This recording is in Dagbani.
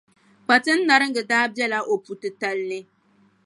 Kpatindariga daa bela o puʼ titali ni.